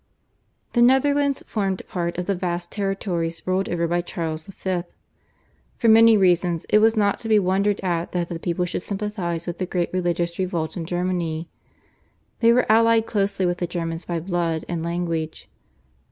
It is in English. The Netherlands formed part of the vast territories ruled over by Charles V. For many reasons it was not to be wondered at that the people should sympathise with the great religious revolt in Germany. They were allied closely with the Germans by blood and language.